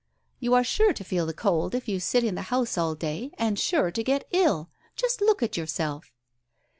"You are sure to feel the cold if you sit in the house all day, and sure to get ill ! Just look at yourself